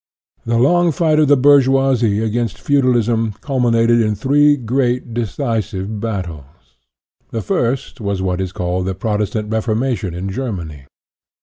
The long fight of the bourgeoisie against feu dalism culminated in three great, decisive bat tles. The first was what is called the Protestant ^formation in Germany.